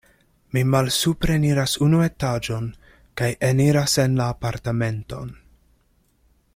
Mi malsupreniras unu etaĝon kaj eniras en la apartamenton.